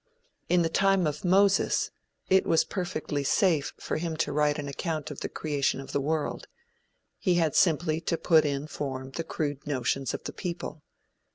In the time of Moses, it was perfectly safe for him to write an account of the creation of the world. He had simply to put in form the crude notions of the people.